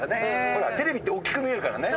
ほらテレビって大っきく見えるからね。